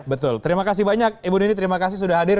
betul terima kasih banyak ibu nini terima kasih sudah hadir